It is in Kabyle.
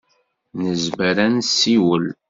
Nezmer ad nessiwel?